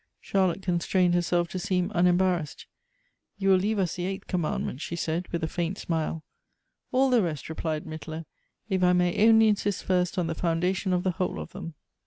Charlotte constrained herself to seem unembarrassed :" You will leave us the eighth commandment," she said, with a faint smile. "All the rest," replied Mittler, "if I may only insist first on the foundation of the whole of them."